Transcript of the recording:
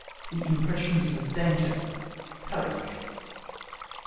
THE IMPRESSIONS OF DANGER. (COURAGE.)